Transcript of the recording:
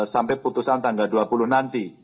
sampai putusan tanggal dua puluh nanti